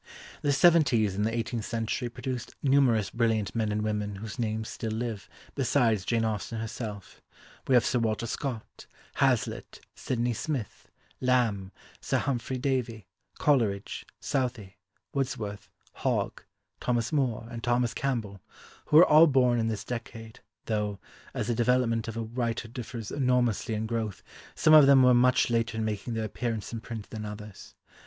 The seventies in the eighteenth century produced numerous brilliant men and women whose names still live; besides Jane Austen herself, we have Sir Walter Scott, Hazlitt, Sydney Smith, Lamb, Sir Humphry Davy, Coleridge, Southey, Wordsworth, Hogg, Thomas Moore, and Thomas Campbell, who were all born in this decade, though, as the development of a writer differs enormously in growth, some of them were much later in making their appearance in print than others.